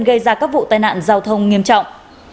gây ra các vụ tai nạn giao thông nghiêm trọng